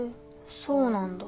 そうなんだ。